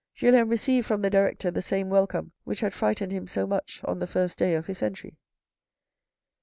Julien received from the director the same welcome which had frightened him so much on the first day of his entry.